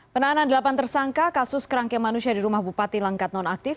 penahanan delapan tersangka kasus kerangkeng manusia di rumah bupati langkat nonaktif